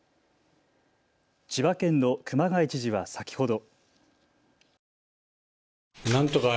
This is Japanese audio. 千葉県の熊谷知事は先ほど。